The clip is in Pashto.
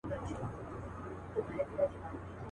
توره شپه ده مرمۍ اوري نه پوهیږو څوک مو ولي.